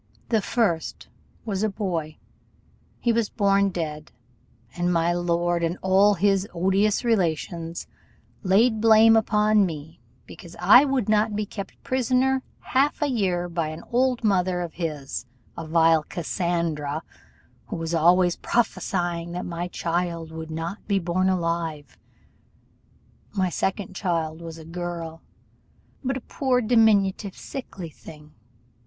The first was a boy: he was born dead; and my lord, and all his odious relations, laid the blame upon me, because I would not be kept prisoner half a year by an old mother of his, a vile Cassandra, who was always prophesying that my child would not be born alive. My second child was a girl; but a poor diminutive, sickly thing.